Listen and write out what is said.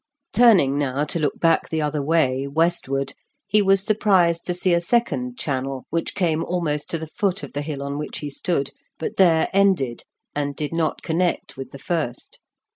Turning now to look back the other way, westward, he was surprised to see a second channel, which came almost to the foot of the hill on which he stood, but there ended and did not connect with the first.